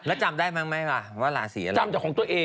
แล้วจำได้ใหม่ไม่ว่าราศรีย้ายอ่ะ